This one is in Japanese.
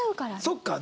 そっか。